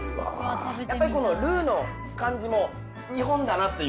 やっぱりこのルーの感じも日本だなっていう。